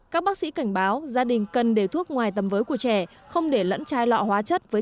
các bác sĩ cảnh báo gia đình cần để thuốc ngoài tầm với của trẻ không để lẫn chai lọ hóa chất với